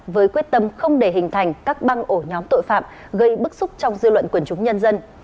với quyết tâm không để hình thành các băng ổ nhóm tội phạm gây bức xúc trong dư luận quần chúng nhân dân